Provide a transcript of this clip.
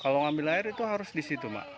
kalau ngambil air itu harus di situ mbak